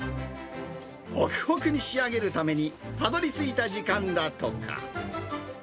ほくほくに仕上げるためにたどりついた時間だとか。